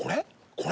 これ？